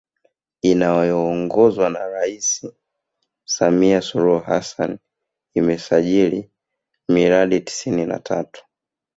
Inayoongozwa na Rais Samia Suluhu Hassan imesajili miradi tisini na tatu